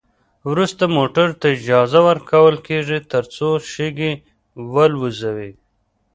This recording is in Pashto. وروسته موټرو ته اجازه ورکول کیږي ترڅو شګې والوزوي